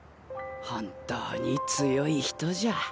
本当に強い人じゃ。